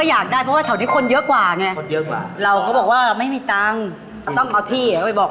อยากแต่เห็นว่ามีเรื่องให้ต้องกู้อีก